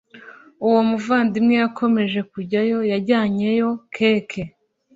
uwo muvandimwe yakomeje kujyayo yajyanyeyo keke